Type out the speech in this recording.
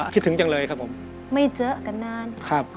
เพลงอะไรคะเนี่ยไม่เจอกันนาน